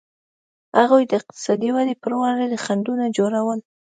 هغوی د اقتصادي ودې پر وړاندې خنډونه جوړول.